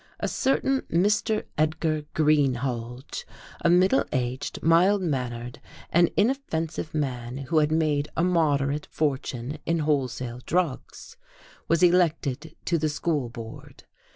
A certain Mr. Edgar Greenhalge, a middle aged, mild mannered and inoffensive man who had made a moderate fortune in wholesale drugs, was elected to the School Board.